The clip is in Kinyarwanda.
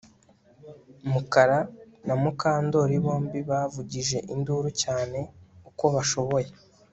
Mukara na Mukandoli bombi bavugije induru cyane uko bashoboye